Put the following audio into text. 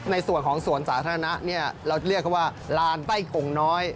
ในส่วนของสวนสาธารณะเนี่ยเราเรียกเขาว่าลานไต้กงน้อย